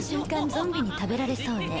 ゾンビに食べられそうね。